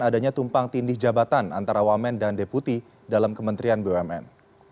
adanya tumpang tindih jabatan antara wamen dan deputi dalam kementerian bumn